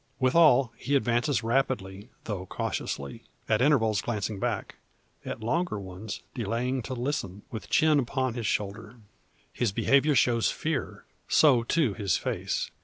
Withal he advances rapidly, though cautiously; at intervals glancing back, at longer ones, delaying to listen, with chin upon his shoulder. His behaviour shows fear; so, too, his face.